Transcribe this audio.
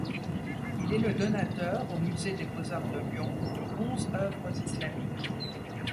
Il est le donateur, au musée des beaux-arts de Lyon, de onze œuvres islamiques.